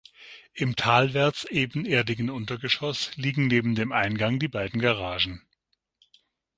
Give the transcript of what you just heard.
Im talwärts ebenerdigen Untergeschoss liegen neben dem Eingang die beiden Garagen.